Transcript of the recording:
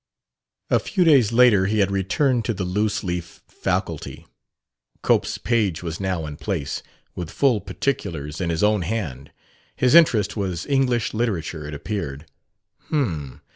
A few days later he had returned to the loose leaf faculty. Cope's page was now in place, with full particulars in his own hand: his interest was "English Literature," it appeared. "H'm!